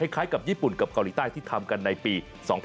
กับญี่ปุ่นกับเกาหลีใต้ที่ทำกันในปี๒๐๑๖